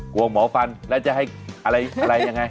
กลัวหมอฟันแล้วจะให้อะไรยังไง